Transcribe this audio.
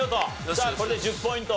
じゃあこれで１０ポイント。